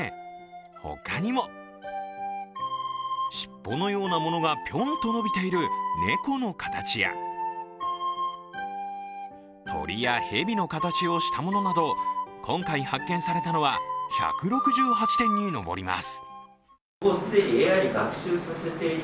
ほかにも尻尾のようなものがぴょんと伸びている猫の形や鳥や蛇の形をしたものなど今回発見されたのは１６８点に上ります。